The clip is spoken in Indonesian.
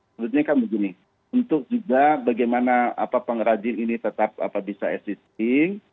sebetulnya kan begini untuk juga bagaimana pengrajin ini tetap bisa existing